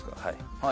はい。